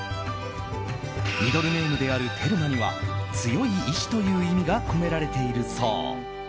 ミドルネームであるテルマには強い意志という意味が込められているそう。